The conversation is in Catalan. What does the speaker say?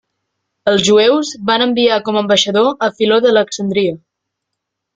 Els jueus van enviar com ambaixador a Filó d'Alexandria.